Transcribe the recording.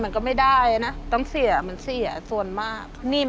แม่ก็พาหนูวิ่งหนินเจ้าหนี้